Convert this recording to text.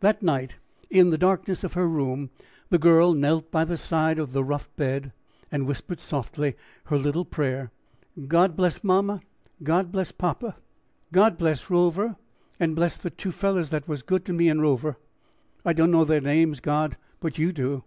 That night, in the darkness of her room, the girl knelt by the side of her rough bed, and whispered softly her little prayer: "God bless mamma, God bless papa, God bless Rover, and bless the two fellers that was good to me and Rover I dunno their names, God, but you do."